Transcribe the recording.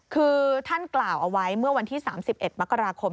คือท่านกล่าวเอาไว้เมื่อวันที่๓๑มกราคม